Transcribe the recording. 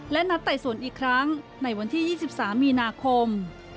และนัดไต่สวนอีกครั้งในวันที่๒๓มีนาคม